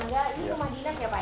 enggak ini rumah dinas ya pak ya